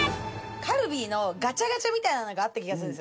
「カルビー」のガチャガチャみたいなのがあった気がするんです。